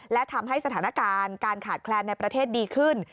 และทำให้สถานการณ์การขาดแคลนในประเทศดีขึ้น